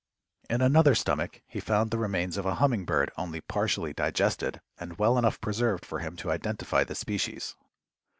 In another stomach he found the remains of a hummingbird only partially digested and well enough preserved for him to identify the species.